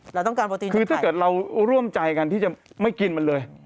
เราต้องการโปรตีนคือถ้าเกิดเราร่วมใจกันที่จะไม่กินมันเลย